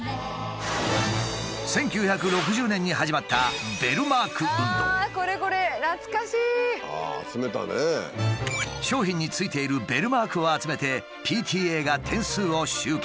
１９６０年に始まった商品についているベルマークを集めてＰＴＡが点数を集計。